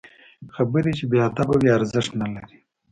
خبرې چې بې ادبه وي، ارزښت نلري